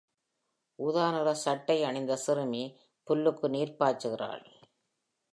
ஊதா நிற சட்டை அணிந்த சிறுமி புல்லுக்கு நீர் பாய்ச்சுகிறாள்.